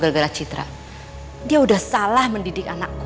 gara gara citra dia udah salah mendidik anakku